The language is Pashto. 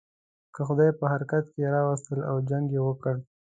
که خدای پر حرکت را وستل او جنګ یې وکړ.